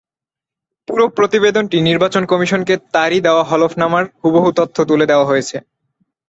পুরো প্রতিবেদনটি নির্বাচন কমিশনকে তাঁরই দেওয়া হলফনামার হুবহু তথ্য তুলে দেওয়া হয়েছে।